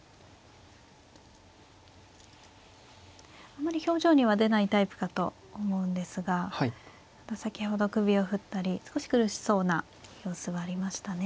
あまり表情には出ないタイプかと思うんですが先ほど首を振ったり少し苦しそうな様子はありましたね。